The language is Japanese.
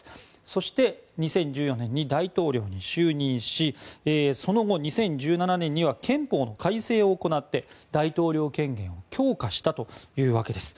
そして２０１４年に大統領に就任しその後、２０１７年には憲法の改正を行って大統領権限を強化したというわけです。